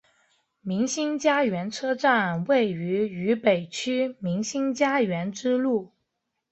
民心佳园车站位于渝北区民心佳园支路。